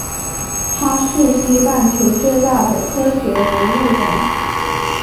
它是西半球最大的科学博物馆。